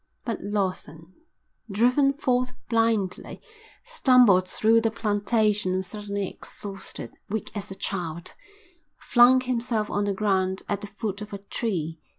But Lawson, driven forth blindly, stumbled through the plantation and suddenly exhausted, weak as a child, flung himself on the ground at the foot of a tree.